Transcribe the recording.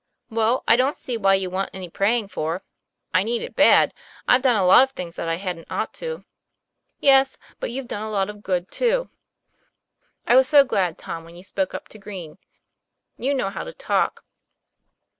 "Well, I don't see why you want any praying for. I need it bad. I've done a lot of things that I hadn't ought to." "Yes; but you've done a lot of good, too. I was HO TOM PLAY FAIR. so glad, Tom, when you spoke up to Green. You know how to talk."